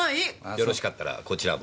よろしかったらこちらも。